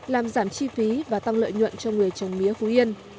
làm giảm chi phí và tăng lợi nhuận cho người trồng mía phú yên